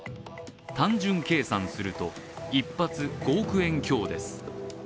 単純計算すると、一発５億円強です。